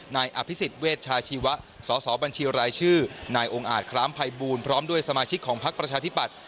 นายอภิษฎเวชชาชีวะสสบัญชีรายชื่อนายองค์อาจคล้ามภัยบูลพร้อมด้วยสมาชิกของพักประชาธิปัตย